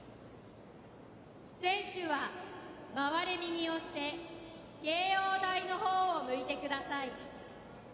選手は、回れ右をして、掲揚台のほうを向いてください。